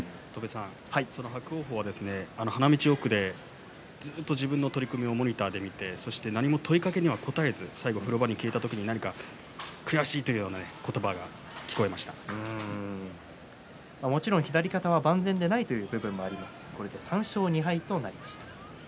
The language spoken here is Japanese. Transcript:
伯桜鵬は花道の奥でずっと自分の取組をモニターで見て何も問いかけには答えず最後、風呂場に消えた時には悔しいというような言葉がもちろん左肩は万全でない部分はありますがこれで３勝２敗となりました。